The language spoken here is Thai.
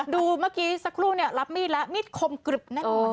ดูเมื่อกี้สักครู่เนี่ยรับมีดแล้วมีดคมกริบแน่นอน